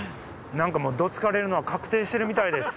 もうど突かれるのは確定してるみたいです。